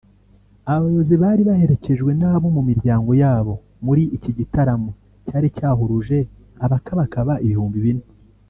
Aba bayobozi bari baherekejwe n’abo mu miryango yabo muri iki gitaramo cyari cyahuruje abakabakaba ibihumbi bine